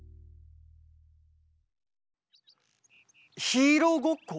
ヒーローごっこ？